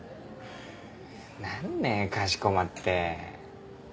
何ねかしこまって。